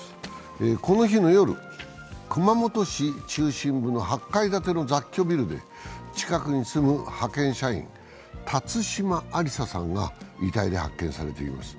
この日の夜、熊本市中心部の８階建ての雑居ビルで近くに住む派遣社員・辰島ありささんが遺体で発見されています。